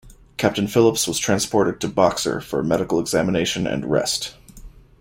Captain Phillips was transported to "Boxer" for medical examination and rest.